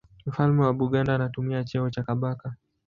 Mfalme wa Buganda anatumia cheo cha Kabaka.